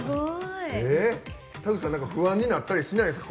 田口さん何か不安になったりしないですか？